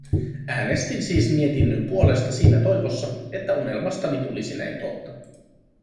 Äänestin siis mietinnön puolesta siinä toivossa, että unelmastani tulisi näin totta.